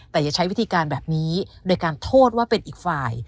แต่อย่าใช้วิธีการแบบนี้โดยการโทษว่าเป็นอีกฝ่าย